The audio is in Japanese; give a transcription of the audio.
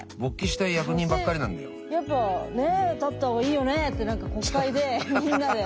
女性やっぱね立った方がいいよねって国会でみんなで。